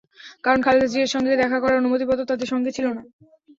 কারণ, খালেদা জিয়ার সঙ্গে দেখা করার অনুমতিপত্র তাঁদের সঙ্গে ছিল না।